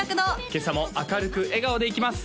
今朝も明るく笑顔でいきます